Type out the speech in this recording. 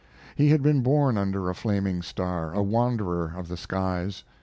He had been born under a flaming star, a wanderer of the skies.